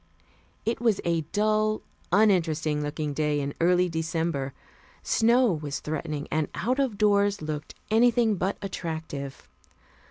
It was a dull, uninteresting looking day in early December. Snow was threatening and out of doors looked anything but attractive.